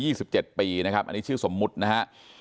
ที่คุณสอนนะอยู่๒๗ปีนะครับอันนี้ชื่อสมมุตินะฮะ